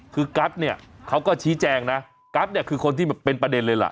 คือกัสเนี่ยเขาก็ชี้แจงนะกัสเนี่ยคือคนที่เป็นประเด็นเลยล่ะ